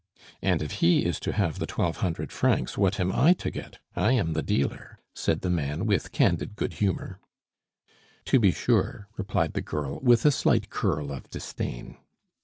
"And if he is to have the twelve hundred francs, what am I to get? I am the dealer," said the man, with candid good humor. "To be sure!" replied the girl, with a slight curl of disdain.